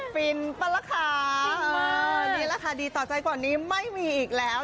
ฟินปะละค่ะนี่แหละค่ะดีต่อใจกว่านี้ไม่มีอีกแล้ว